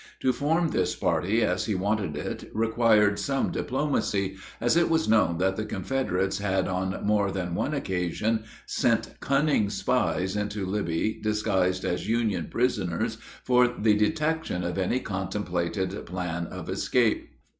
To form this party as he wanted it required some diplomacy, as it was known that the Confederates had on more than one occasion sent cunning spies into Libby disguised as Union prisoners, for the detection of any contemplated plan of escape.